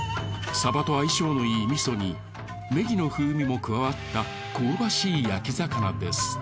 サバと相性のいい味噌にねぎの風味も加わった香ばしい焼き魚です。